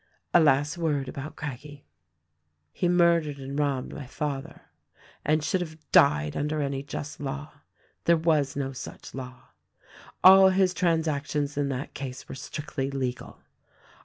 "A last word about Craggie. "He murdered and robbed my father and should have died under any just law. There was no such law. All his transactions in that case were strictly legal.